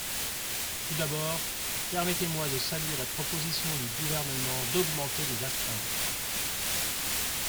Tout d’abord, permettez-moi de saluer la proposition du Gouvernement d’augmenter les astreintes.